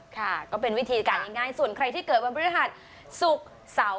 ค่ะก็เป็นวิธีการง่ายส่วนใครที่เกิดวันพฤหัสศุกร์เสาร์